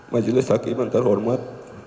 majelis hakiman terhormat